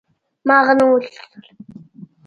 ما هغه نه و ليدلى.